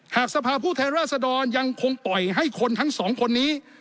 สภาพผู้แทนราษดรยังคงปล่อยให้คนทั้งสองคนนี้